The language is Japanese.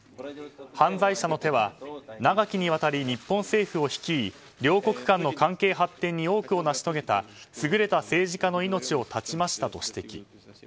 犯罪者の手は、長きにわたり日本政府を率い両国間の関係発展に多くを成し遂げたすぐれた政治家の命を絶ちましたと指摘。